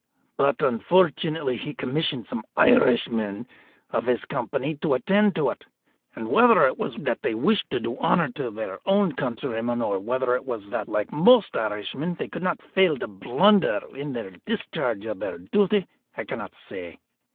But, unfortunately, he commissioned some Irishmen of his company to attend to it. And whether it was that they wished to do honour to their own countryman, or whether it was that, like most Irishmen, they could not fail to blunder in the discharge of their duty, I cannot say.